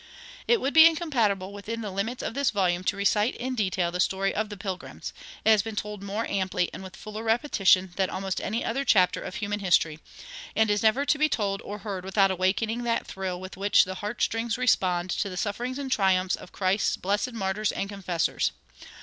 It would be incompatible with the limits of this volume to recite in detail the story of the Pilgrims; it has been told more amply and with fuller repetition than almost any other chapter of human history, and is never to be told or heard without awakening that thrill with which the heartstrings respond to the sufferings and triumphs of Christ's blessed martyrs and confessors.